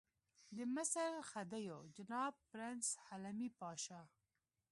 د مصر خدیو جناب پرنس حلمي پاشا.